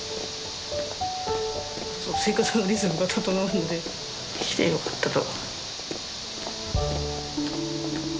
生活のリズムが整うので来てよかったと。